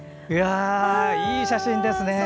いい写真ですね。